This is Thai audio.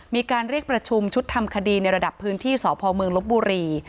มีการเรียกประชุมชุดทำคดีในระดับพื้นที่สพเมืองลบบุรี